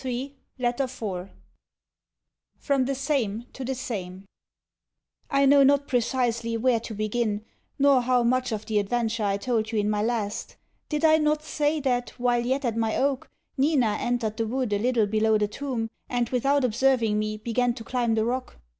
SIBELLA LETTER IV FROM THE SAME TO THE SAME I know not precisely where to begin, nor how much of the adventure I told you in my last. Did I not say, that, while yet at my oak, Nina entered the wood a little below the tomb and without observing me began to climb the rock?